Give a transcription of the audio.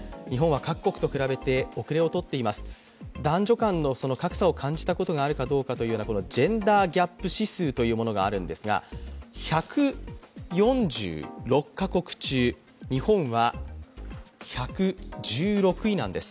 男女間の格差を感じたことがあるのかどうかというジェンダーギャップ指数というものがあるんですが、日本は１４６か国中日本は１１６位なんです。